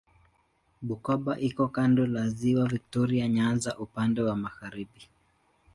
Bukoba iko kando la Ziwa Viktoria Nyanza upande wa magharibi.